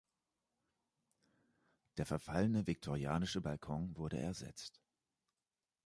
Der verfallene viktorianische Balkon wurde ersetzt.